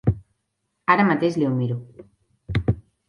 Ara mateix li ho miro.